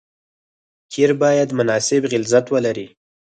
قیر باید مناسب غلظت ولري